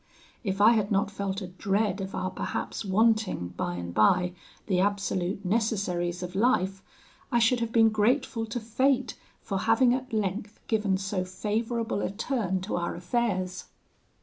If I had not felt a dread of our perhaps wanting, by and by, the absolute necessaries of life, I should have been grateful to fate for having at length given so favourable a turn to our affairs.